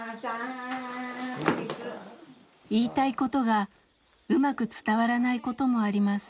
言いたいことがうまく伝わらないこともあります。